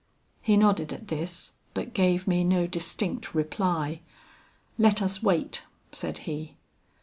"He nodded at this, but gave me no distinct reply. 'Let us wait,' said he.